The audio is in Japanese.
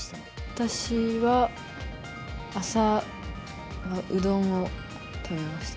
私は朝はうどんを食べました。